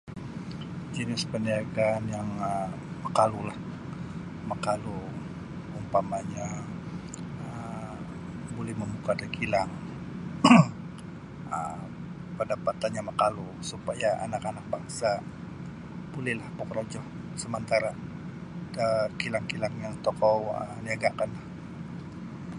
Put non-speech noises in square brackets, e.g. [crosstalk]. Jinis parniagaan yang um makalu lah, makalu umpamanya um bulih mambuka da kilang [coughs] um pendapatannya makalu supaya anak-anak bangsa bulihlah bakarojo samantara da kilang-kilang yang tokou um niagakan.